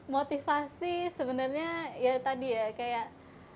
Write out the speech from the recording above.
motivasi sebenarnya ya tadi ya kayak